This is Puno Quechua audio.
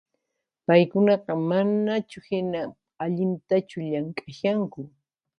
Paykunaqa mammnachuhina allintachu llank´ashanku